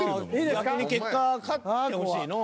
逆に結果勝ってほしいのぉ。